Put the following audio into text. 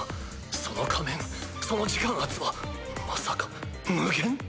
その仮面その時間厚はまさか無限？